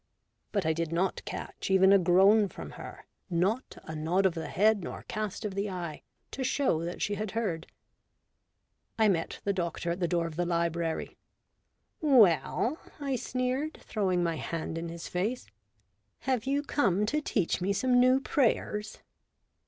But I did not catch even a groan from her, not a nod of 136 A BOOK OF BARGAINS. the head nor cast of the eye, to shew that she had heard. I met the doctor at the door of the library. "Well!' 1 I sneered, throwing my hand in his face, "have you come to teach me some new prayers